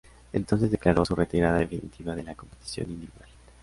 Entonces declaró su retirada definitiva de la competición individual.